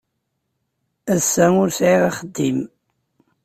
Ass-a ur sɛiɣ axeddim.